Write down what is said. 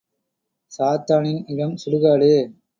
சாத்தானின் இடம் சுடுகாடு.